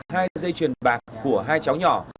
hai dây chuyền bạc của hai cháu nhỏ